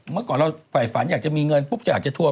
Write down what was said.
เมื่อก่อนเราฝ่ายฝันอยากจะมีเงินปุ๊บอยากจะทวง